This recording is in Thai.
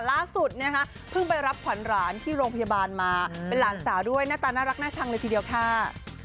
ล่าสุดนะคะเพิ่งไปรับขวัญหลานที่โรงพยาบาลมาเป็นหลานสาวด้วยหน้าตาน่ารักน่าชังเลยทีเดียวค่ะ